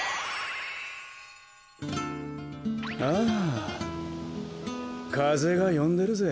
あぁかぜがよんでるぜ。